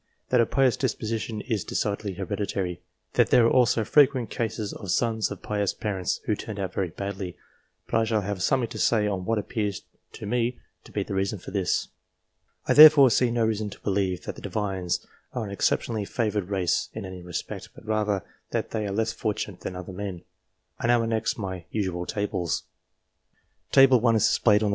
That a pious disposition is decidedly hereditary. That there are also frequent cases of sons of pious parents who turned out very badly ; but I shall have something to say on what appears to me to be the reason for this. I therefore see no reason to believe that the Divines are an exceptionally favoured race in any respect ; but rather, that they are less fortunate than other men. I now annex my usual tables. TABLE T.